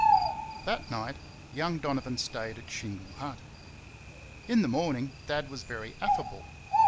That night, young Donovan stayed at Shingle Hut. In the morning Dad was very affable.